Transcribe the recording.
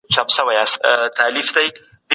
موږ کولای شو نړۍ ته یو څه ورکړو.